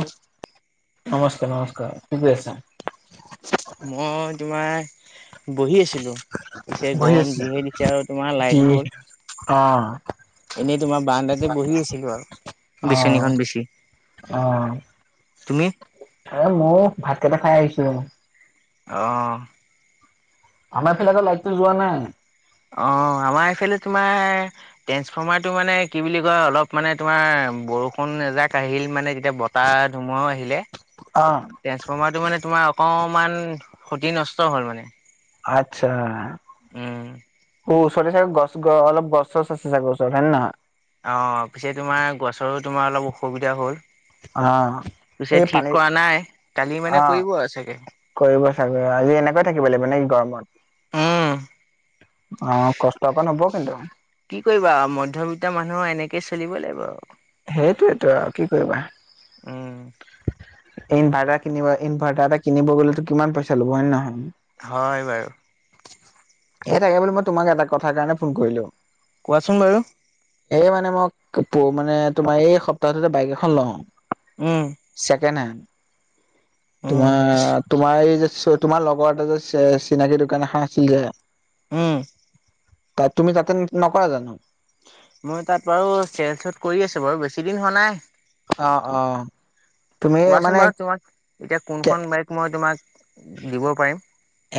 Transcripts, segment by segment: নমস্কাৰ, নমস্কাৰ কি কৰি আছা? মই তোমাৰ বহি আছিলোঁ। পিছে বহি গৰম আছা? যিহে দিছে আৰু তোমাৰ কি লাইট গ'ল। অ'। এনেই তোমাৰ বাৰাণ্ডাতে বহি আছিলোঁ আৰু অ বিচনীখন বিছি। অ'। এ, মও ভাতকেইটা খাই আহিছোঁ হে। অ'। আমাৰ এইফালে আকৌ লাইটো যোৱা নাই। অ' আমাৰ এইফালে তোমাৰ ট্ৰেন্ঞ্চফৰ্মাৰটো মানে কি বুলি কয়, অলপ মানে তোমাৰ বৰষুণ এজাক আহিল মানে তেতিয়া ব তাহ ধুমুহাও আহিলে। অ'। ট্ৰেন্সফৰ্মাৰটো মানে তোমাৰ অকমান ক্ষতি নষ্ট হ'ল মানে। আচ্ছা। উম, অ' ওচৰে চাগে গছ অলপ গছ চছ আছে চাগৈ ওচৰত হয় নে নহয়? অ' পিছে তোমাৰ গছৰো তোমাৰ অলপ অসুবিধা হ'ল। অ পিছে এই ঠিক পানী কৰা নাই, কালি অ মানে কৰিব আৰু চাগে। কৰিব চাগৈ, আজি এনেকৈ থাকিব লাগিব নে কি গৰমত? উম। অ' কষ্ট অকন হ'ব কিন্তু। কি কৰিবা মধ্যবিত্ত মানুহ আৰু এনেকে চলিবই লাগিব আৰু। সেইটয়েতো আৰু কি কৰিবা। উম ইনভাৰ্টাৰ কিনিব ইনভাৰ্টাৰ এটা কিনিব গ'লেতো কিমান পইচা ল'ব হয় নে নহয়? হয় বাৰু। সেই তাকে বুলি মই তোমাক এটা কথাৰ কাৰণে ফোন কৰিলো। কোৱাচোন বাৰু। এই মানে মই মানে তোমাৰ এই সপ্তাহটোতে বাইক এখন লওঁ। উম। ছেকেণ্ড হেণ্ড, উম তোমাৰ তোমাৰ এই যে তোমাৰ লগৰ এটা যে চি-চিনাকি দোকান এখন আছিল যে উম। তাত তুমি তাতে নকৰা জানো? মই তাত বাৰু চেলচত কৰি আছোঁ বাৰু, বেছি দিন হোৱা নাই। অ', অ'। তুমি কোৱাচোন মানে এক বাৰু তোমাক এতিয়া কোনখন বাইক মই তোমাক দিব পাৰিম।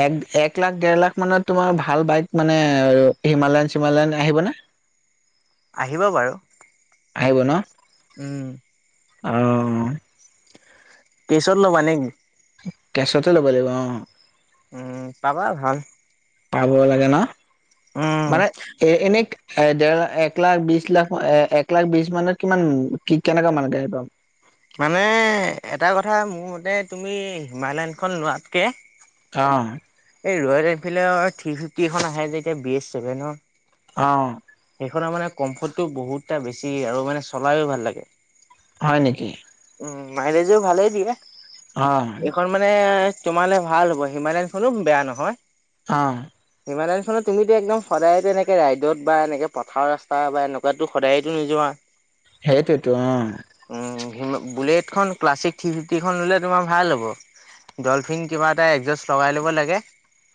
এক এক লাখ, দেৰ লাখমানত তোমাৰ ভাল বাইক মানে হিমালয়ান চিমালয়ান আহিবনে? আহিব বাৰু। আহিব ন'? উম অ'। কেছত ল'বা নেকি? কেছতে ল'ব লাগিব অ'। উম, পাবা ভাল। পাব লাগে না উম মানে এ, এনে এ, দেৰ লাখ, এক লাখ, বিশ লাখ, এ-এক লাখ বিশ মানত কিমান কি, কেনেকুৱা মানে গাড়ী পাম? মানে এটা কথা মোৰ মতে তুমি হিমালয়ানখন লোৱাতকে অ'। এই ৰয়েল এনফিল্ডৰ থ্ৰী ফিফটিখন আহে যে এতিয়া বি এছ ছেভেনৰ অ'। সেইখনৰ মানে কমফৰ্টটো বহুতটা বেছি আৰু মানে চলায়ু ভাল লাগে। হয় নেকি? উম, মাইলেজো ভালেই দিয়ে। অ'। এইখন মানে তোমালে ভাল হ'ব, হিমালয়ানখনো বেয়া নহয়। অ'। হিমালয়ানখনত তুমিতো একদম সদায়তো এনেকে ৰাইডত বা এনেকে পথাৰ ৰাস্তা বা এনেকুৱাতো সদায়তো নোযোৱা। সেইটোৱেইতো অ'। উম, বুলেটখন ক্লাছিক থ্ৰী ফিফটিখন ল'লে তোমাৰ ভাল হ'ব। ডলফিন কিবা এটা এডজাষ্ট লগাই ল'ব লাগে।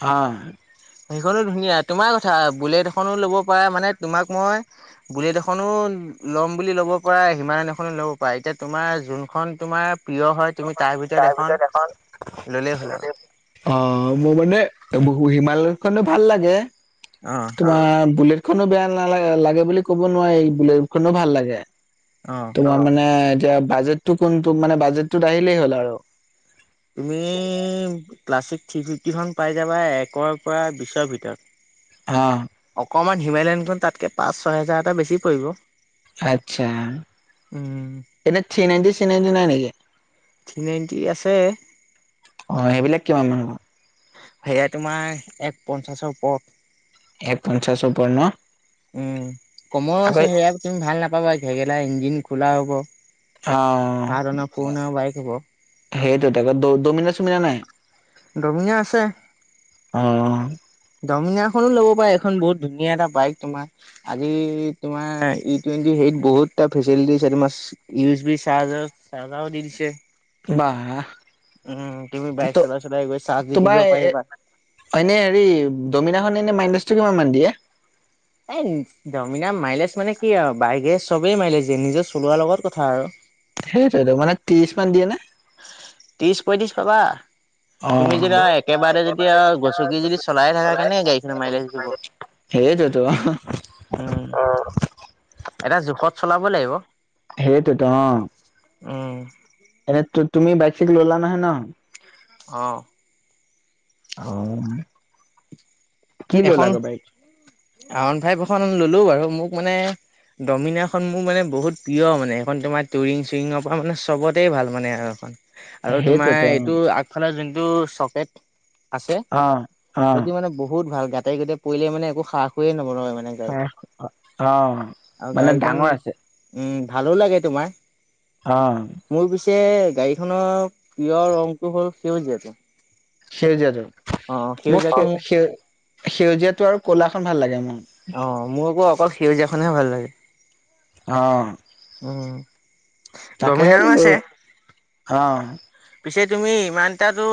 হয়। সেইখনো ধুনীয়া, তোমাৰ কথা বুলেট এখনো ল'ব পাৰা, মানে তোমাক মই বুলেট এখনো ল'ম বুলি ল'ব পাৰা, হিমালয়ন এখনো ল'ব পাৰা এতিয়া তোমাৰ যোনখন তোমাৰ প্ৰিয় হয়, তুমি তাৰ ভিতৰত এখন ল'লেই হ'ল আৰু। অ', মোৰ মানে বহু হিমালয় খনো ভাল লাগে, অ', তোমাৰ বুলেট খনো বেয়া নালাগে লাগে বুলি ক'ব নোৱাৰি, এই বুলেটখনো ভাল লাগে। অহ। তোমাৰ মানে এতিয়া বাজেটটো কোনটো, মানে বাজেটটোত আহিলেই হ'ল আৰু। তুমি, ক্লাছিক থ্ৰী ফিফটিখন পাই যাবা, একৰ পৰা বিশৰ ভিতৰত। অ'। অকণমান হিমালয়নখন তাতকৈ পাঁচ, ছয় হেজাৰ এটা বেছি পৰিব। আচ্ছা, উম, এনে থ্ৰি নাইনটি চিনাইনটি নাই নেকি? থ্ৰী নাইণ্টি আছে। অ', সেইবিলাক কিমান মান হ'ব। হেয়া তোমাৰ, এক পঞ্চাশৰ ওপৰৰ। এক পঞ্চাশ ওপৰ ন? উম, কমৰ আকৌ আছে সেয়া। তুমি ভাল নাপাবা, ঘেগেলা ইঞ্জিন খোলা হ'ব। অ', সাত অনা পুৰণা বাইক হ'ব সেইটোৱেটো ডমিনাৰ চমিনাৰ নাই। দমীনাৰ আছে। অ'। ডমিনাাৰখনো ল'ব পাৰে, এখন বহুত ধুনীয়া এটা বাইক তোমাৰ। আজি তোমাৰ, ই টুৱেণ্টি হেৰিত বহুত এটা ফেচিলিটি তোমাৰ ইউ এজ বি চাৰ্জাৰ চাৰ্জাও দি দিছে। বা। উম, তুমি বাইক চলাই, চলাই গৈ চাৰ্জ দি থাকিব পাৰিবা। এনেই হেৰি, ডমিনাৰখন এনে মাইলেছটো কিমান মান দিয়ে। এই ডমিনাৰ মাইলেজ মানে কি আৰু, বাইগে চবেই মাইলেজ দিয়ে, নিজৰ চলোৱাৰ লগত কথা আৰু। সেইটোৱেটো, মানে ত্ৰিশ মান দিয়ে নে? ত্ৰিছ পঁইত্ৰিছ পাবা। অ তুমি যেতিয়া একেবাৰে যদি, গচকি যদি চলাই থাকা, কেনেকে গাড়ীখনে মাইলেছ দিব। সেইটোৱেটো। উম এটা জোখত চলাব লাগিব, সেইটোৱেতো অ উম। এনে, তুমি বাইক চাইক ল'লা নহয়, ন'। অ'। অ'। কি ললা এখন গৈ বাইক আৰ ওৱান ফাইভ এখন ল'লো বাৰু, মোক মানে ডমিনা এখন মোৰ মানে বহুত প্ৰিয় মানে, এইখন তোমাৰ টুৰিং চুৰিঙৰ পৰা মানে চবতেই ভাল মানে, আৰু এখন আৰু তোমাৰ সেইটোৱেতো এইটো আগফালৰ যোনটো চকেট আছে, অ অ সেইটো মানে বহুত ভাল, গাতে গোতে পৰিলে মানে একো সাহ খয়ে নবলে মানে। গাড়ীত অ', আৰু মানে গাড়ীখন ডাঙৰ আছে। ভালো লাগে তোমাৰ। অ'। মোৰ পিছে, গাড়ীখনৰ প্ৰিয় ৰংটো হ'ল, সেউজীয়াটো। সেউজীয়াাটো, অ মোক সেউজীয়াটো সেউ, সেউজীয়াাটো আৰু কলাখন ভাল লাগে মোৰ। অ', মোৰ আকৌ অকল সেউজীয়াখনহে ভাল লাগে। অ'। অ'। তাকে বোলো, অঁ। পিছে তুমি ইমানটাটো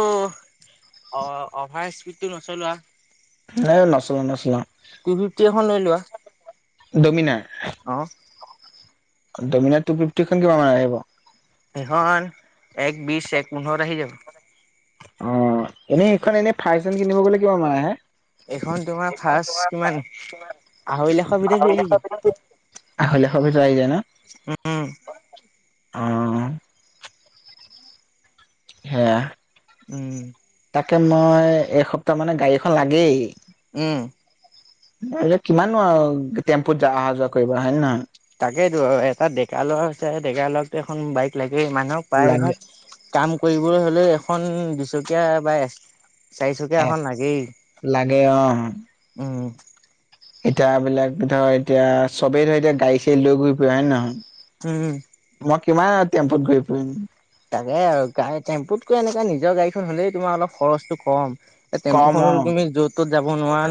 অ' অভাৰ স্পীডটো নচলোৱা। ন নচলাও, নচলাও। টু ফিফটি এখন লৈ লোৱা। ডমিনাাৰ? অ'। ডমিনাৰ টু ফিফটি খন কিমান মান আহিব? হেইখন এক বিশছ এক পোন্ধৰ আহি যাব। অ' এনেই এইখন এনেই ৰ্ফাষ্ট হেণ্ড কিনিব গ'লে কিমান মান আহে? এইখন তোমাৰ ৰ্ফাষ্ট কিমান আঢ়ৈ লাখৰ ভিতৰত ধৰি আহি যাব। আঢ়ৈ লাখৰ ভিতৰত আহি যায় ন? উম অ' হেয়া উম। তাকে মই এই সপ্তাহ মানে গাড়ী এখন লাগেই। উম। আৰু কিমানো টেম্পুত অহা যোৱা কৰিব হয় নে নহয়? তাকেইতো এটা ডেকা ল'ৰা হৈছে ডেকা ল'ৰাক এখন বাইক লাগেই। মানুহক লাগে প্ৰায়ভাগ কাম কৰিবলৈ হ'লেও এখন দুচকীয়া বাই চাৰিচকীয়া এ এখন লাগেই, লাগে উম। এতি বিলাক ধৰ এতিয়া চবেই ধৰ এতিয়া গাড়ী চাড়ী লৈ ঘূৰি ফুৰে হয় নে নহয়? হুম'। মই কিমান টেম্পুত ঘুৰি ফুৰিম? তাকে আৰু গাড়ী টেম্পুতকৈ এনেকে নিজৰ গাড়ীখন হ'লেই তোমাৰ অলপ খৰচটো ক'ম। এ টেম্পু কম অ খনতো তুমি য'ত ত'ত যাব নোৱাৰা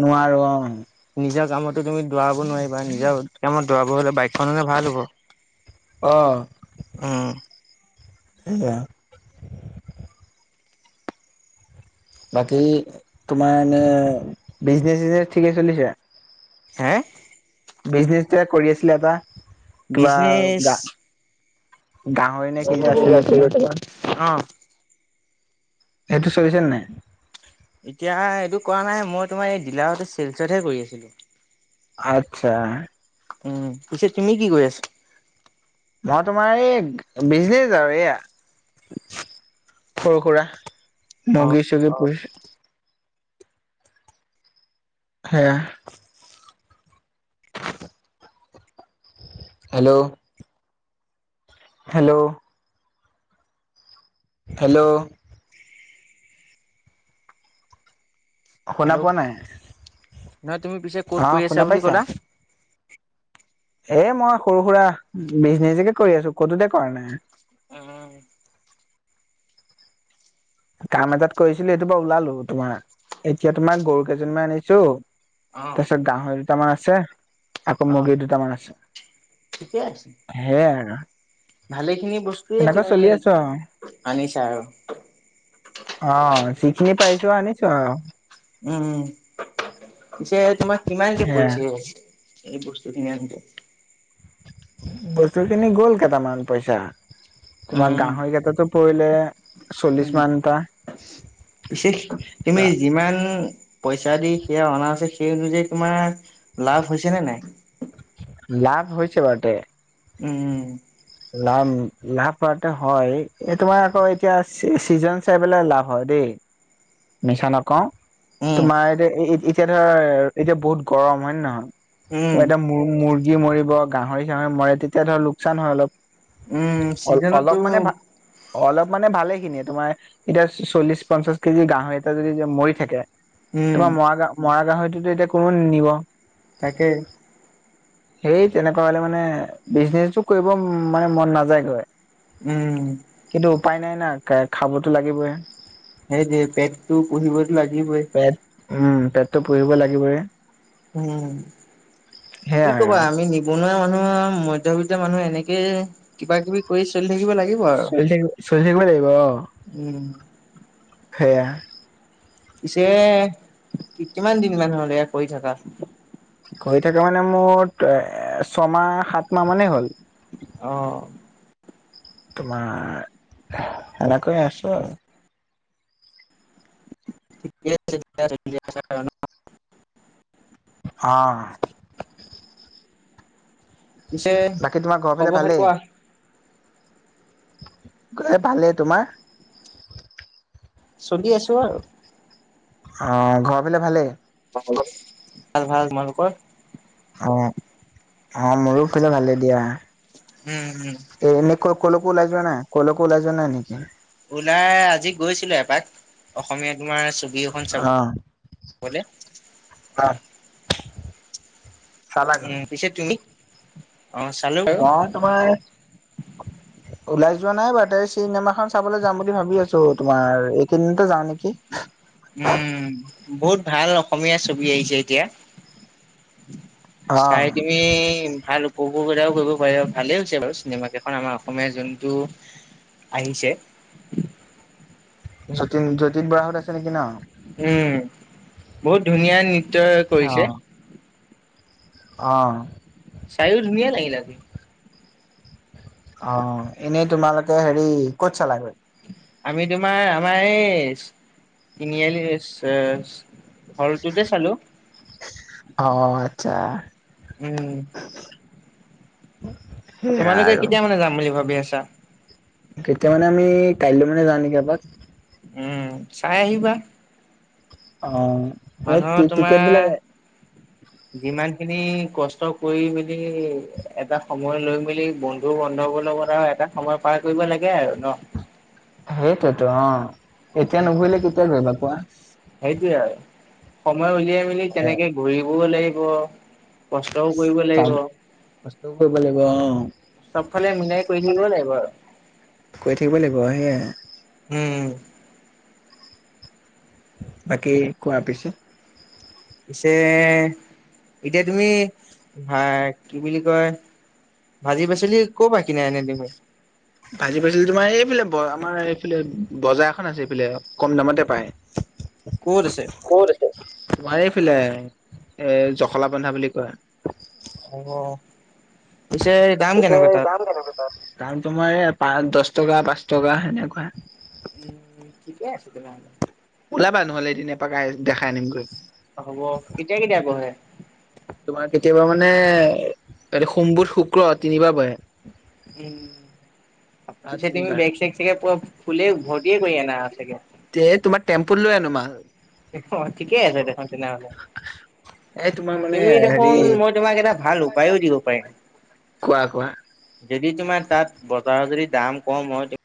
নোৱাৰো অ নিজৰ কামতো তুমি দৌৰাব নোৱাৰিবা, নিজৰ কামত দৌৰাব হ'লে বাইকখনে ভাল হ'ব। অঁ। উম। সেইয়া বাকী তোমাৰ এনে বিজনেচ চিজনেচ ঠিকে চলিছে! হে'। বিজনেচটোৱে কৰি আছিলে এটা? কিবা বিজনেছ? গা গাহৰি নে কি যে ভ আছিলে আছিল তোমাৰ ত অ [unintelligible] সেইটো চলিছে নে নাই? এতিয়া এইটো কৰা নাই মই তোমাৰ এই ডিলাৰত চেলচতহে কৰি আছিলো। আচ্ছা। উম, পিছে তুমি কি কৰি আছা? মই তোমাৰ এই বিজনেজ আৰু এয়া। সৰু সুৰা অ মুৰ্গী চুগী পুহিছো। সেয়া। হেল্ল'? হেল্ল'? হেল্ল'? শুনা হেল্ল' পোৱা নাই? নহয় তুমি পিছে ক'ত অ' কৰি আছা শুনা বুলি পাইছা? ক'লা এ মই সৰু সুৰা বিজনেছকে কৰি আছো, ক'তোতে কৰা নাই। উম। কাম এটাত কৰিছিলো এইটো বাৰু ওলালো তোমাৰ, এতিয়া তোমাৰ গৰু কেইজনমান আনিছো অ তাৰপিছত গাহৰি দুটামান আছে আকৌ অ মুৰ্গীৰ দুটামান আছে। সেয়াই আৰু। ভালে খিনি বস্তুৱয়ে তেনেকৈ চলি আছো আৰু তুমি আনিছা আৰু। অ' যিখিনি পাৰিছো আনিছো আৰু। উম, পিছে তোমাক কিমানকে সেয়াই পৰিছে এই বস্তুখিনি আনোতে? বস্তুখিনি গ'ল কেইটামান পইচা তোমাৰ উম গাহৰিকেইটাটো পৰিলে চল্লিশ মান এটা পিছে তুমি যিমান পইচা দি সেয়া অনা আছে সেই অনুযায়ী তোমাৰ লাভ হৈছে নে নাই? লাভ হৈছে বাৰুতে। উম, উম। লাভ লাভ হোৱাটো হয়, এই তোমাৰ আকৌ এতিয়া চিজন চাই পেলাই লাভ হয় দেই, মিছা নকওঁ। উম, তোমাৰ এতিয়া, এতিয়া ধৰা এতিয়া বহুত গৰম হয় নে নহয়? উম, তোমাৰ এতিয়া মুৰ্গী মৰিব, গাহৰি চাহৰি মৰে, তেতিয়া ধৰ লোকচান হয় অলপ। উম, অ' অলপ চিজনতো মানে ভা অলপ মানে ভালেখিনিয়ে তোমাৰ, এতিয়া চল্লিশ পঞ্চাশ কেজি গাহৰি এটা যদি মৰি থাকে উম, তোমাৰ মৰা গা মৰা গাহৰিটো এতিয়া কোনোও নিনিব। তাকে। সেই তেনেকুৱা হ'লে মানে বিজনেচটো কৰিব উম, মানে মন নাযায় গৈ। উম। কিন্তু উপায় নাই না খাবতো লাগিবয়ে। সেইযে পেটটো পুহিবতো লাগিবই। পেট উম, পেটটো পুহিব লাগিবই। উম, কি সেয়াই আৰু কবা আমি নিবনুৱা মানুহ, মধ্যবিত্ত মানুহে এনেকে কিবা কিবি কৰি চলি থাকিব লাগিব। আৰু চলি থাকি, চলি থাকিব লাগিব অ'। উম। সেয়া। পিছে কিমান দিনমান হ'ল এয়া কৰি থাকা? কৰি থাকা মানে মোৰ ছমাহ, সাতমাহ মানেই হ'ল। অ'। তোমাৰ এনেকৈয়ে আছোঁ আৰু। ঠিকে আছে, ঠিকে আছে [unintelligible] অ'। পিছে বাকী তোমাৰ ঘৰৰ ফালে খবৰ খাতি ভালেই কোৱা? ভালেই। তোমাৰ? চলি আছোঁ আৰু। অ' ঘৰৰ ফালে ভালেই? অ' ভাল ভাল। তোমালোকৰ? অ', অ' মোৰো ফালে ভালেই দিয়া। উম, উম। এ, এনেকুৱা ক'লকো ওলাই যোৱা নাই, ক'লকো ওলাই যোৱা নাই নেকি? ওলাই আজি গৈছিলো এপাক, অসমীয়া তোমাৰ এখন অ' চাবলে আ উম, পিছে তুমি? অ' চালো বাৰু। মই তোমাৰ ওলাই যোৱা নাই বাৰুতে, চিনেমাখন চাবলৈ যাম বুলি ভাবি আছোঁ তোমাৰ এইকেইদিনতে যাওঁ নেকি। উম, বহুত ভাল অসমীয়া ছবি আহিছে এতিয়া। অ চাই দিম। তুমি ভাল উপভোগ এটাও কৰিব পাৰিব, ভালেই হৈছে বাৰু, চিনেমাকেইখন আমাৰ অসমীয়া যোনটো আহিছে। যতীন যতিন বৰাহত আছে নেকি ন'? উম, বহুত ধুনীয়া নৃত্য কৰিছে। অ'। চাইও ধুনীয়া লাগিল আজি। অ এনেই তোমালোকে হেৰি ক'ত চালাৈ আমি তোমাৰ আমাৰ এই তিনিআলি হলটোতে চালো অ আচ্ছা উম সেয়া তোমালোকে আৰু কেতিয়া মানে যাম বুলি ভাবি আছা তেতিয়া মানে আমি কাইলৈ মানে যাওঁ নেকি আবাক উম চাই আহিবা মানুহৰ অিকটিলকে তোমাৰ যিমান খিনি কষ্ট কৰি মেলি এটা সময় লৈ মেলি বন্ ত বন্ধবৰ লগত আৰু এটা সময় পাৰ কৰিব লাগে আৰু ন সেইটোতো অ এতিয়া নুভুৰিলে কেতিয়া ঘৈিবা কোৱা সেইটোয়ে আৰু সময় উলিয়াই মেলি কেনেকে ঘূৰিবও লাগিব কষ্ট কৰিব লাগিব ক লিব অ চবফালে মিলাই কৰি থাকিব লাগিব আৰু। কৈ থাকিব লাগিব সেয়াই উম বাকী কোৱা পিছেো পিছে এতিয়া তুমি ভ কি বুলি কয় ভাজি পাচলি ক' পৰা কিনে এনে দেমে ভাজি পাইছিলো তোমাৰ এইফালে ব আমাৰ এইফালে বজাৰ এখন আছে এইফালে কম দামতে পায় ক'ত আছে? [unintelligible] কত আছে মাৰি ফে এ জখলা বন্ধা বুলি কয় অ পিছে দাম কেনেকুৱা তাত কাৰাম তোমাৰ এই পাঁচ দহ টকা পাঁচ টকা সেনেকুৱাই উম ঠিকে আছ তুম ওলাবা নহ'লে এদিিননে পাকাই দেখাই আনিমগৈ হ'ব কেতিয়া কেতিয়া গঢ়ে তোমাৰ কেতিয়াবা মানে এই সোম্বুধ শুক্ৰ তিনিবাৰ বহ উম সপ্তাহত পিছে তুমি তিনিবাৰ। বেগ চেগ চেগে প ফুলে ভৰ্তিয়ে কৰি আনা চাগে এ তোমাৰ টেম্পুত লৈ আনো মা ঠিকেই আছে দেখোন তেনেহ'লে এই তোমাৰ মানে তুমি হেৰি দেখোন মই তোমাক এটা ভাল উপায়ো দিব পাৰিম কোৱা কোৱা। যদি তোমাৰ তাত বজাৰৰ যদি দাম কম হয়